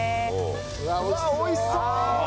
うわっ美味しそう！